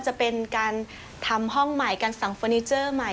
จะเป็นการทำห้องใหม่การสั่งเฟอร์นิเจอร์ใหม่